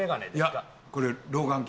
いやこれ老眼鏡。